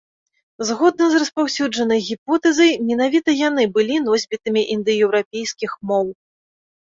Згодна з распаўсюджанай гіпотэзай, менавіта яны былі носьбітамі індаеўрапейскіх моў.